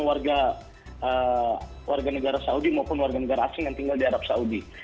warga negara saudi maupun warga negara asing yang tinggal di arab saudi